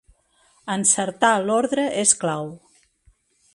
Encertar l'ordre és clau.